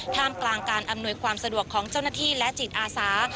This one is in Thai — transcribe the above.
ท่ามกลางการอำนวยความสะดวกของเจ้าหน้าที่และจิตอาสา